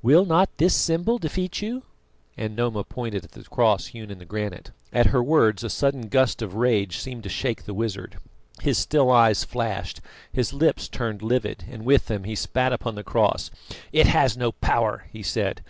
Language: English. "Will not this symbol defeat you?" and Noma pointed at the cross hewn in the granite. At her words a sudden gust of rage seemed to shake the wizard. His still eyes flashed, his lips turned livid, and with them he spat upon the cross. "It has no power," he said.